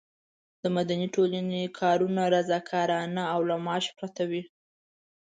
د مدني ټولنې کارونه رضاکارانه او له معاش پرته وي.